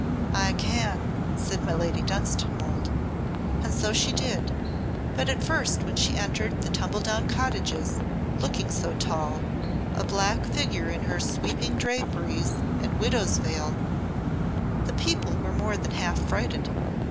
"I can," said my Lady Dunstanwolde. And so she did, but at first when she entered the tumbledown cottages, looking so tall, a black figure in her sweeping draperies and widow's veil, the people were more than half affrighted.